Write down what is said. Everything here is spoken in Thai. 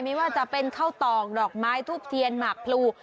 ไม่ว่าจะเป็นข้าวตอกดอกไม้ทูบเทียนหมากพลู